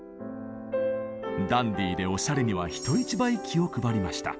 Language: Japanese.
ダンディーでおしゃれには人一倍気を配りました。